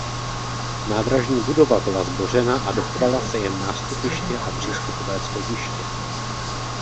Nádražní budova byla zbořena a dochovala se jen nástupiště a přístupové schodiště.